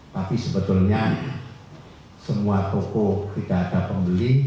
tapi sebetulnya semua toko tidak ada pembeli